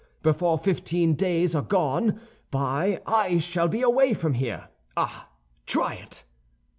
Before fifteen days are gone by I shall be away from here.' Ah, try it!"